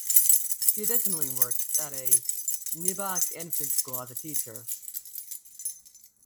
She additionally works at Nibok Infant School as a teacher.